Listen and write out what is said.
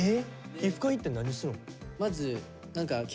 皮膚科行って何するん？